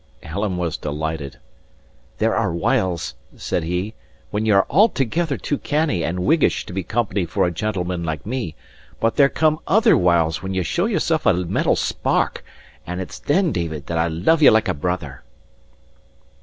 Alan was delighted. "There are whiles," said he, "when ye are altogether too canny and Whiggish to be company for a gentleman like me; but there come other whiles when ye show yoursel' a mettle spark; and it's then, David, that I love ye like a brother."